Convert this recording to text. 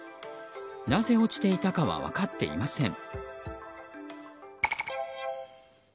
なぜ落ちていたかは分かっていません。